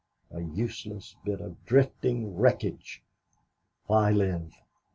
A useless bit of drifting wreckage, why live?"